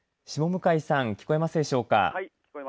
下向さん聞こえますでしょうか。